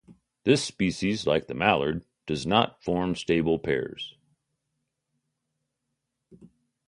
This species, like the mallard, does not form stable pairs.